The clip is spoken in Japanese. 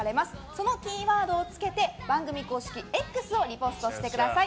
そのキーワードをつけて番組公式Ｘをリポストしてください。